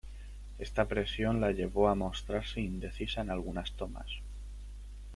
Esta presión la llevó a mostrarse indecisa en algunas tomas.